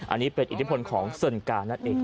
อันนี้เป็นอิทธิพลของเซินกานั่นเอง